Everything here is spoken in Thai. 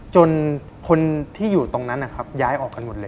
จนคนที่อยู่ตรงนั้นนะครับย้ายออกกันหมดเลย